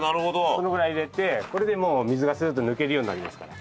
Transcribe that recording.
このぐらい入れてこれでもう水がスーッと抜けるようになりますから。